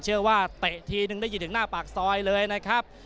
เตะทีนึงได้ยินถึงหน้าปากซอยเลยนะครับ